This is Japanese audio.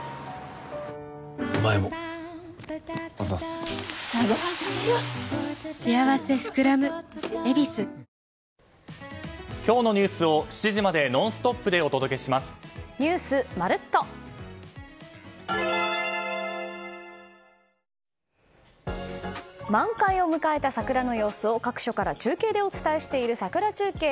お前もあざす満開を迎えた桜の様子を各所から中継でお伝えしている桜中継。